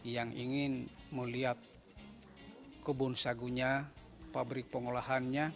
yang ingin melihat kebun sagunya pabrik pengolahannya